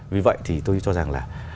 vì vậy thì tôi cho rằng là